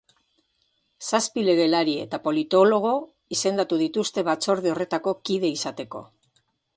Zazpi legelari eta politologo izendatu dituzte batzorde horretako kide izateko.